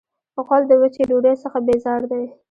غول د وچې ډوډۍ څخه بیزار دی.